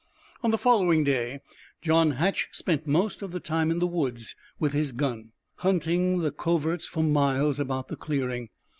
On the following day John Hatch spent most of the time in the woods with his gun, hunting the coverts for miles about the clearing.